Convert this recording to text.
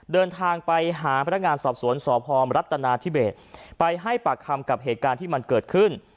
เดินทางไปหาพนักงานสอบสวนสพรัฐนาธิเบสไปให้ปากคำกับเหตุการณ์ที่มันเกิดขึ้น